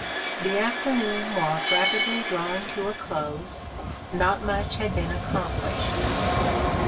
The afternoon was rapidly drawing to a close : not much had been accomplished.